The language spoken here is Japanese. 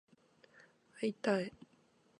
会いたい